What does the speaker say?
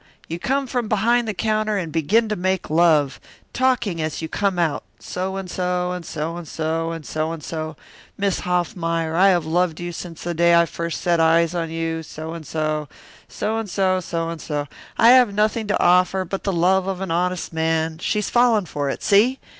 You come from behind the counter and begin to make love, talking as you come out so and so, so and so, so and so Miss Hoffmeyer, I have loved you since the day I first set eyes on you so and so, so and so, so and so, I have nothing to offer but the love of an honest man she's falling for it, see?